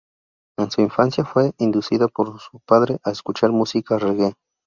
En su infancia fue inducida por su padre a escuchar música "reggae".